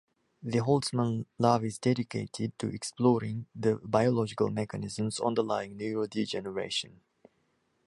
The Holtzman Lab is dedicated to exploring the biological mechanisms underlying neurodegeneration.